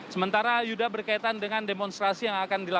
sementara yudha berkaitan dengan demonstrasi yang akan diadakan